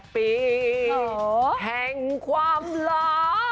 ๑๘ปีแห่งความรัก